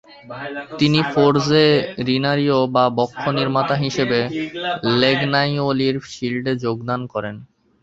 তিনি ফোর্জেরিনারিও বা বক্ষ নির্মাতা হিসেবে লেগনাইওলির গিল্ডে যোগদান করেন।